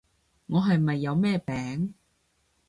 我係咪有咩病？